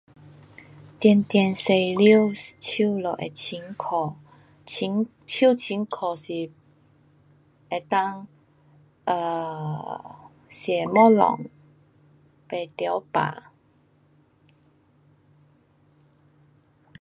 直直洗手，手就会清洁。清，手清洁是能够 um 吃东西，不得病。